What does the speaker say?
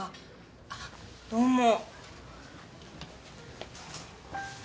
あどうも。